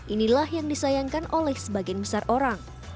inilah yang disayangkan oleh sebagian besar orang